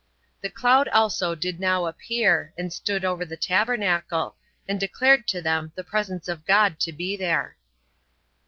The cloud also did now appear, and stood over the tabernacle, and declared to them the presence of God to be there.